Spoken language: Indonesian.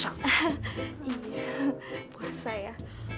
iya puasa ya